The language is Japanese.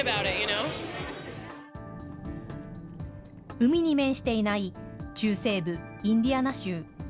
海に面していない中西部インディアナ州。